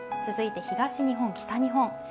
続いて東日本、北日本。